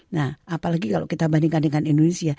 nah apalagi kalau kita bandingkan dengan indonesia